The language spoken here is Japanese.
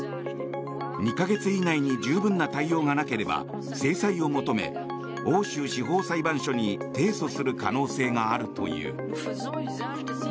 ２か月以内に十分な対応がなければ制裁を求め欧州司法裁判所に提訴する可能性があるという。